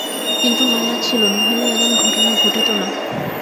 কিন্তু মায়া ছিল, নহিলে এমন ঘটনা ঘটিত না।